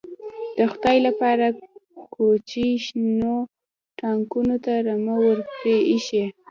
_د خدای له پاره، کوچي شنو تاکونو ته رمه ور پرې اېښې.